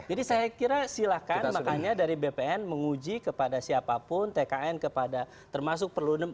jadi saya kira silakan makanya dari bpn menguji kepada siapapun tkn kepada termasuk perlunem